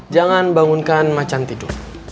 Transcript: jangan bangunkan macan tidur